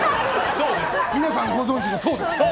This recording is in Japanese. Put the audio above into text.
皆さん、ご存じのそうです。